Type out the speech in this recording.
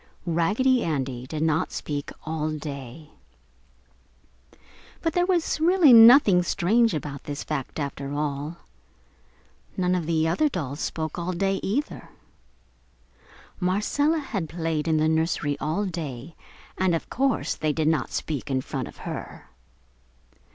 Raggedy Andy did not speak all day. But there was really nothing strange about this fact, after all. None of the other dolls spoke all day, either. Marcella had played in the nursery all day and of course they did not speak in front of her.